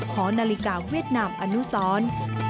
หอนาฬิกาเวียดนามอนุสร